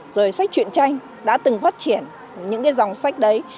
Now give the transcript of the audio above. rồi sách chuyện tranh đã từng phát triển những cái dòng sách đấy